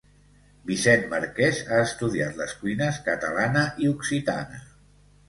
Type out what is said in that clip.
Vicent Marqués ha estudiat les cuines catalana i occitana